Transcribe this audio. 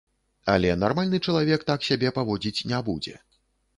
Але нармальны чалавек так сябе паводзіць не будзе.